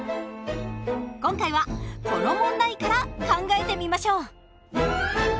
今回はこの問題から考えてみましょう。